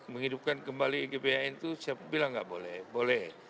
menghidupkan kembali gbhn itu saya bilang nggak boleh boleh